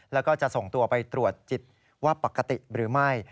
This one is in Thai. แล้วก็จะส่งตัวไปตรวจจิตว่าปกติหรือไม่